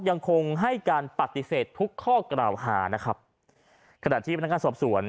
ยังคงให้การปฏิเสธทุกข้อกล่าวหานะครับขณะที่พนักงานสอบสวน